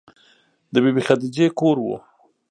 د بې بي خدیجې کور و.